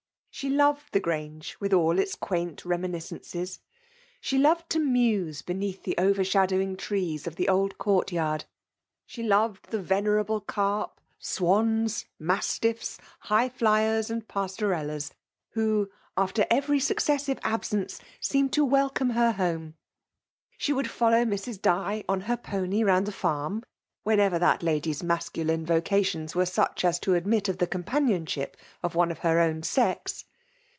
She loved the Orange with all its quaint reminiscences. She loved to muse m beneath the overshadowing trees of the old eourt yard; she loved the venerable carp» swans, mastiffs. Highflyers, and PasloreUas, who, after every successive absence, seemed to welcome her home. She would follow Mrs. Di on her pony round the farm, whenever that lady*s masculine vocations were such as to admit of the companionship of one of her own sex.